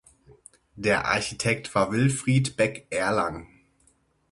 Der Architekt war Wilfried Beck-Erlang.